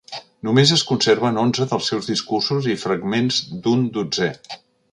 Només es conserven onze dels seus discursos i fragments d'un dotzè.